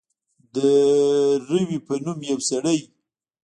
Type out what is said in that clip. د روي په نوم یو سړی.